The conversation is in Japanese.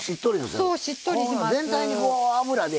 そうしっとりします。